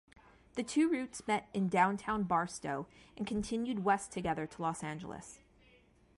The two routes met in downtown Barstow and continued west together to Los Angeles.